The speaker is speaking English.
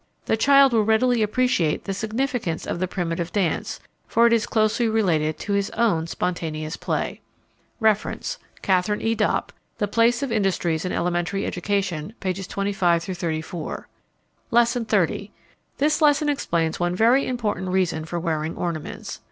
The child will readily appreciate the significance of the primitive dance, for it is closely related to his own spontaneous play. Reference: Katharine E. Dopp, The Place of Industries in Elementary Education, pp. 25 34. Lesson XXX. This lesson explains one very important reason for wearing ornaments.